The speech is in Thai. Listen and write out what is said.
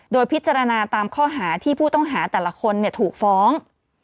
โดยพิจารณาตามข้อหาที่ผู้ต้องหาแต่ละคนถูกฟ้อง